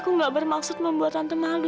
dan juga percuma dengan kamu